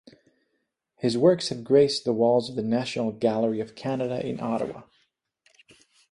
His works have graced the walls of the National Gallery of Canada in Ottawa.